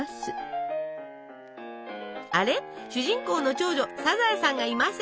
あれ主人公の長女サザエさんがいません。